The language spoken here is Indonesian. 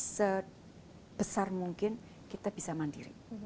sebesar mungkin kita bisa mandiri